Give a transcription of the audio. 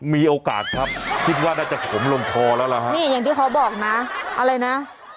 มีโอกาสครับคิดว่าน่าจะขมลงทอแล้วล่ะฮะนี่อย่างที่เขาบอกนะอะไรนะ